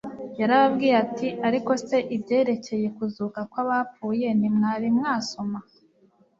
Yarababwiye ati: «Ariko se ibyerekcye kuzuka kw'abapfuye ntimwari mwasoma